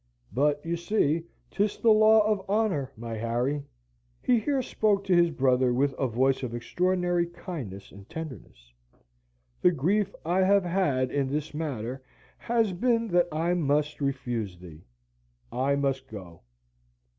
But, you see, 'tis the law of Honour, my Harry." (He here spoke to his brother with a voice of extraordinary kindness and tenderness.) "The grief I have had in this matter has been that I must refuse thee. I must go.